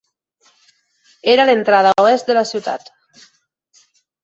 Era l'entrada oest de la ciutat.